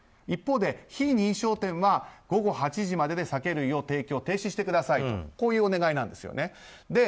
一方で非認証店は午後８時までで酒類提供停止してくださいというお願いなんですね。